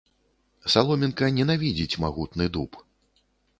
Саломінка ненавідзіць магутны дуб.